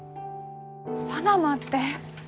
パナマってええ？